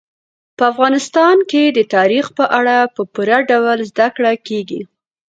په افغانستان کې د تاریخ په اړه په پوره ډول زده کړه کېږي.